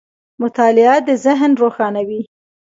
• مطالعه د ذهن روښانوي.